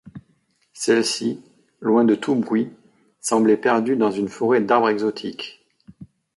Celle-ci, loin de tout bruit, semblait perdue dans une forêt d’arbres exotiques.